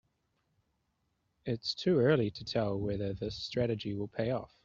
It's too early to tell whether the strategy will pay off.